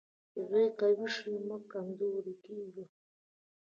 چې زور قوي شي، موږ کمزوري کېږو.